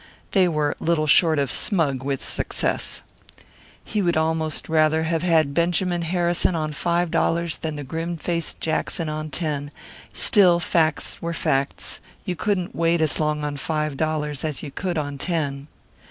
They were little short of smug with success. He would almost rather have had Benjamin Harrison on five dollars than the grim faced Jackson on ten. Still, facts were facts. You couldn't wait as long on five dollars as you could on ten.